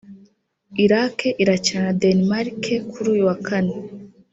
Iraq irakina na Denmark kuri uyu wa Kane